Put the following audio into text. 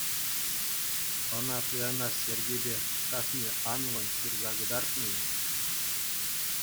Ӑна туянас йӗркепе хакне анлӑн ҫырса кӑтартнӑ-и?